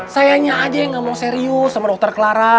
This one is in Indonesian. sayangnya aja yang ngomong serius sama dokter clara